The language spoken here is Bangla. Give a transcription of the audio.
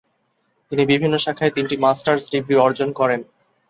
তিনি বিভিন্ন শাখায় তিনটি মাস্টার্স ডিগ্রি অর্জন করেন।